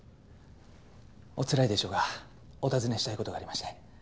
おつらいでしょうがお尋ねしたい事がありまして。